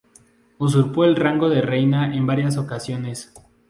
Usurpó el rango de reina en varias ocasiones.